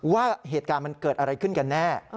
ว่าเหตุการณ์มันเกิดอะไรขึ้นกันแน่